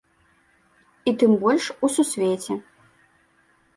І тым больш у сусвеце.